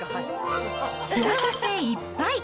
幸せいっぱい！